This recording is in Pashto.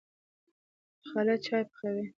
خالد چايي پخوي.